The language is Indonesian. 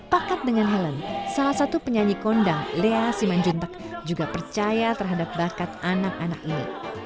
pakat dengan helen salah satu penyanyi kondang lea simanjuntak juga percaya terhadap bakat anak anak ini